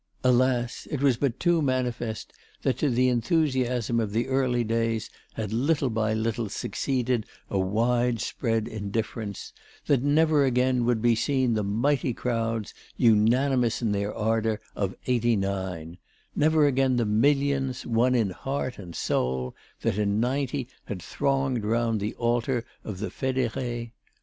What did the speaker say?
Alas! it was but too manifest that to the enthusiasm of the early days had little by little succeeded a widespread indifference, that never again would be seen the mighty crowds, unanimous in their ardour, of '89, never again the millions, one in heart and soul, that in '90 thronged round the altar of the fédérés.